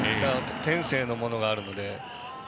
天性のものがあるので。